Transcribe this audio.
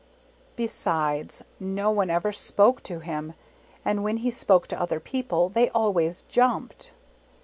Besides no one ever spoke to him, and when he spoke to other people, they always jumped.